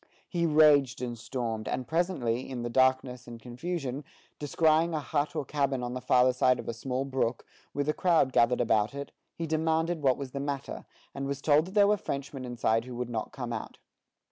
He raged and stormed; and presently, in the darkness and confusion, descrying a hut or cabin on the farther side of a small brook, with a crowd gathered about it, he demanded what was the matter, and was told that there were Frenchmen inside who would not come out.